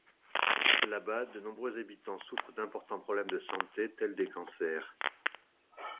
Là-bas, de nombreux habitants souffrent d'importants problèmes de santé, tels des cancers.